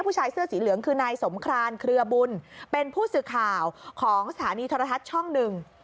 ผู้ชายเสื้อสีเหลืองคือนายสงครานเครือบุญเป็นผู้สื่อข่าวของสถานีโทรทัศน์ช่องหนึ่ง